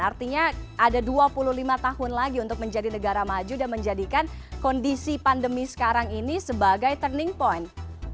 artinya ada dua puluh lima tahun lagi untuk menjadi negara maju dan menjadikan kondisi pandemi sekarang ini sebagai turning point